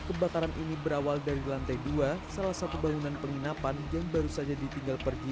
kebakaran ini berawal dari lantai dua salah satu bangunan penginapan yang baru saja ditinggal pergi